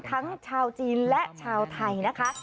ทั้งชาวจีนและชาวไทยนะคะ